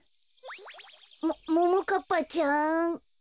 もももかっぱちゃん？